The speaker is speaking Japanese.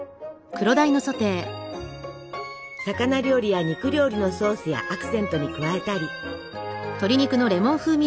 魚料理や肉料理のソースやアクセントに加えたり。